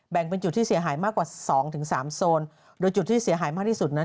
แบ่งเป็นจุดที่เสียหายมากกว่า๒๓โซนโดยจุดที่เสียหายมากที่สุดนั้น